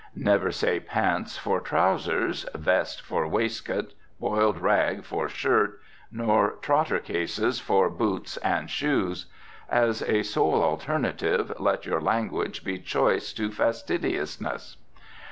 Never say pants for trousers, vest for waistcoat, boiled rag for shirt, nor trotter cases for boots and shoes. As a sole alternative, let your language be choice to fastidiousness.